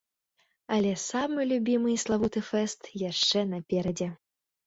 Але самы любімы і славуты фэст яшчэ наперадзе.